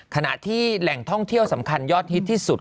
ขณะที่แหล่งท่องเที่ยวสำคัญยอดฮิตที่สุด